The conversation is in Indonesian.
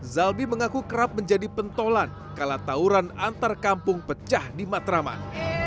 zalbi mengaku kerap menjadi pentolan kala tauran antar kampung pecah di matraman